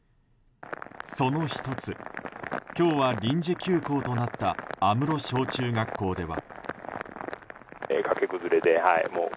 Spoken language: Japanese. その１つ今日は臨時休校となった阿室小中学校では。